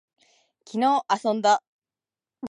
昨日遊んだ